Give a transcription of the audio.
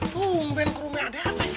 tumben ke rumahnya ada apa